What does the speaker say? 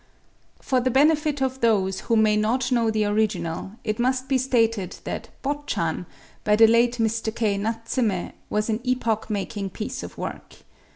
For the benefit of those who may not know the original, it must be stated that "Botchan" by the late Mr. K. Natsume was an epoch making piece of work.